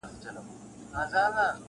شیرینی به یې لا هم ورته راوړلې-